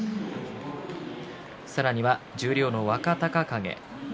さらには十両の若隆景。